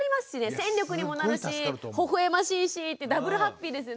戦力にもなるしほほ笑ましいしってダブルハッピーですね。